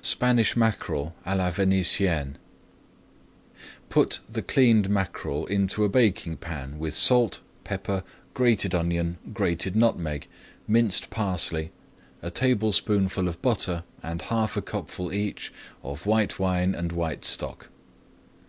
SPANISH MACKEREL À LA VÉNITIENNE Put the cleaned mackerel into a baking pan with salt, pepper, grated onion, grated nutmeg, minced parsley, a tablespoonful of butter and half a cupful each of white wine and white stock.